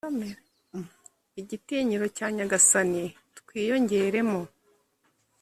igitinyiro cya Nyagasani twiyongeremo